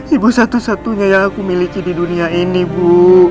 ibu satu satunya yang aku miliki di dunia ini bu